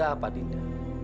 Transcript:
ada apa dinda